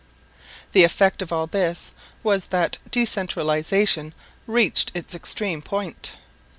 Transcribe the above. The effect of all this was that decentralisation reached its extreme point.